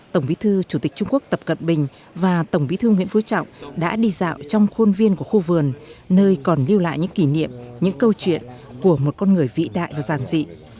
tổng bí thư chủ tịch trung quốc tập cận bình và tổng bí thư nguyễn phú trọng đã đi dạo trong khuôn viên của khu vườn nơi còn lưu lại những kỷ niệm những câu chuyện của một con người vĩ đại và giản dị